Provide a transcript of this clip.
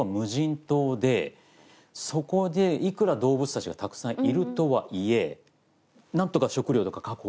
そこでいくら動物たちがたくさんいるとはいえ何とか。